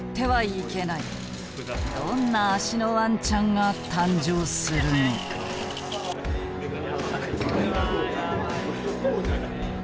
どんな脚のワンちゃんが誕生するのか。